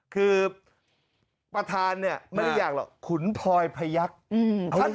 คือประธานเนี่ยไม่ได้อยากหรอกขุนพลอยพยักษ์